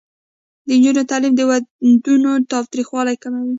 د نجونو تعلیم د ودونو تاوتریخوالی کموي.